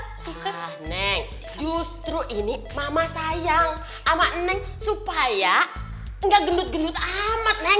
nah neng justru ini mama sayang ama neng supaya nggak gendut gendut amat neng